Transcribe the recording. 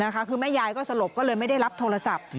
คือแม่ยายก็สลบก็เลยไม่ได้รับโทรศัพท์